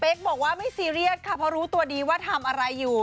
บอกว่าไม่ซีเรียสค่ะเพราะรู้ตัวดีว่าทำอะไรอยู่